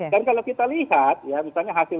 dan kalau kita lihat misalnya hasil